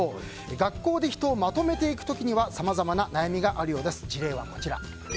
学校で人をまとめていく時にはさまざまな悩みがあるようです。